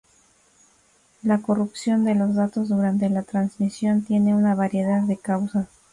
La corrupción de los datos durante la transmisión tiene una variedad de causas.